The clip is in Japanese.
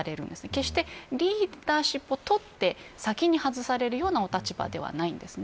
決してリーダーシップをとって先に外されるようなお立場ではないんです。